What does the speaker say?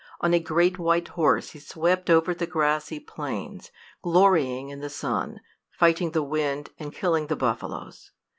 On a great white horse he swept over the grassy plains, glorying in the sun, fighting the wind, and killing the buffaloes.